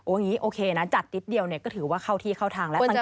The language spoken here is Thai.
อย่างนี้โอเคนะจัดนิดเดียวเนี่ยก็ถือว่าเข้าที่เข้าทางแล้ว